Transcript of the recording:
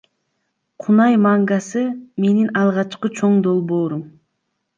Кунай мангасы менин алгачкы чоң долбоорум.